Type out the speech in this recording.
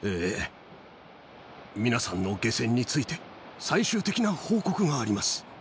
皆さんの下船について、最終的な報告があります。